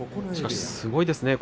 すごいですね。